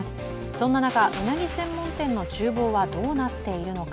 そんな中、うなぎ専門店のちゅう房はどうなっているのか。